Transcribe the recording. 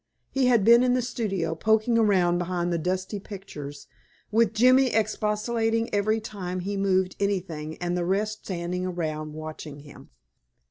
He had been in the studio, poking around behind the dusty pictures, with Jimmy expostulating every time he moved anything and the rest standing around watching him.